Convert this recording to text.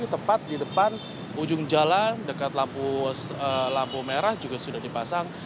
tepat di depan ujung jalan dekat lampu merah juga sudah dipasang